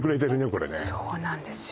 これねそうなんですよ